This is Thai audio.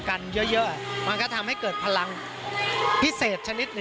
การเดินทางปลอดภัยทุกครั้งในฝั่งสิทธิ์ที่หนูนะคะ